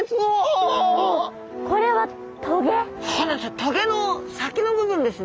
棘の先の部分ですね。